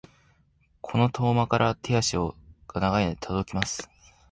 この遠間からも手足が長いので届きます。